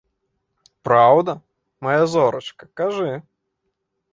Праўда, мая зорачка, кажы?